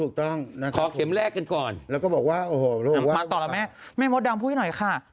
ขอเข็มแรกกันก่อนมาต่อแล้วแม่แม่มดดำพูดให้หน่อยค่ะ